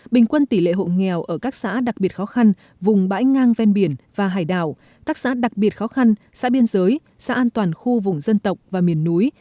bình quân tỷ lệ hộ nghèo ở các xã đặc biệt khó khăn vùng bãi ngang ven biển và hải đảo các xã đặc biệt khó khăn xã biên giới xã an toàn khu vùng dân tộc và miền núi